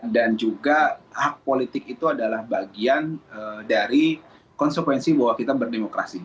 dan juga hak politik itu adalah bagian dari konsekuensi bahwa kita berdemokrasi